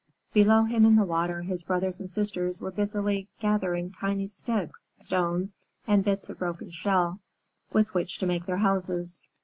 Below him in the water, his brothers and sisters were busily gathering tiny sticks, stones, and bits of broken shell, with which to make their houses.